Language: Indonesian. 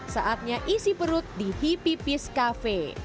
saatnya isi perut di hippie peace cafe